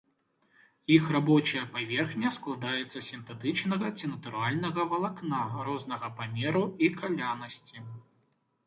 Іх рабочая паверхня складаецца з сінтэтычнага ці натуральнага валакна рознага памеру і калянасці.